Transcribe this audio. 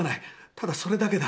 ただそれだけだ。